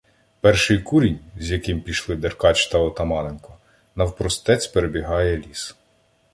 Перший курінь, з яким пішли Деркач та Отаманенко, навпростець перебігає ліс.